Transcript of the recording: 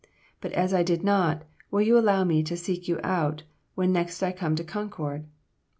But as I did not, will you allow me to seek you out, when next I come to Concord?